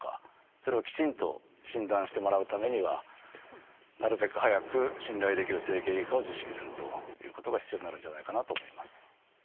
それをきちんと診断してもらうためにはなるべく早く信頼できる整形外科を受診するということが必要になるんじゃないかなと思います。